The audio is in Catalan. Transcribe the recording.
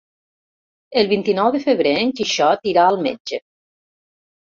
El vint-i-nou de febrer en Quixot irà al metge.